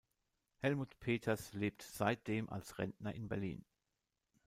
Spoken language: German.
Helmut Peters lebt seitdem als Rentner in Berlin.